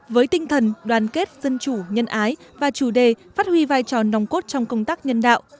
với tinh thần đoàn kết dân chủ nhân ái và chủ đề phát huy vai trò nòng cốt trong công tác nhân đạo